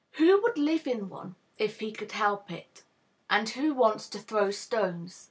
Who would live in one, if he could help it? And who wants to throw stones?